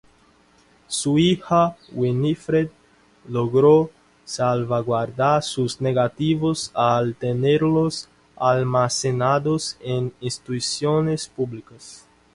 Su hija Winifred logró salvaguardar sus negativos al tenerlos almacenados en instituciones públicas.